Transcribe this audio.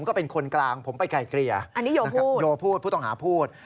โยต้องกล้าภาษณ์อยากให้คุณผู้ชมได้ฟัง